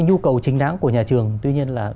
nhu cầu chính đáng của nhà trường tuy nhiên là